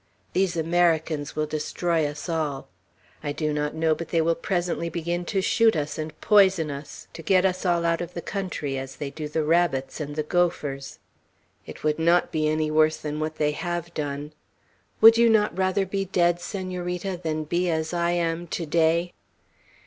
These Americans will destroy us all. I do not know but they will presently begin to shoot us and poison us, to get us all out of the country, as they do the rabbits and the gophers; it would not be any worse than what they have done. Would not you rather be dead, Senorita, than be as I am to day?"